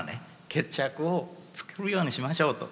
決着をつけるようにしましょうと。